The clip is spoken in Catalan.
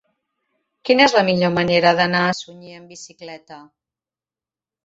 Quina és la millor manera d'anar a Sunyer amb bicicleta?